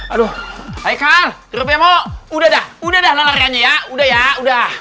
aduh tartar wikipedia udah udah udah udah udah